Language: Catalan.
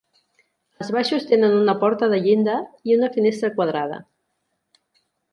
Els baixos tenen una porta de llinda i una finestra quadrada.